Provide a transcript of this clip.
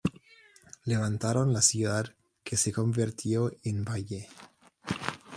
Levantaron la ciudad que se convirtió en Valle.